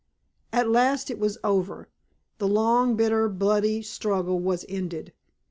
At last it was over. The long, bitter, bloody struggle was ended.